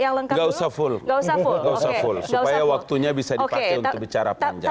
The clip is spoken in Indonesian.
nggak usah full supaya waktunya bisa dipakai untuk bicara panjang